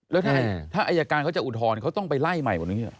แล้วถ้าไอ้อาจารย์เขาจะอุทธรณ์เขาต้องไปไล่ไหม